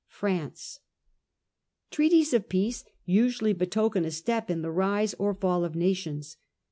France. Treaties of peace usually betoken a step in the rise or fall of nations.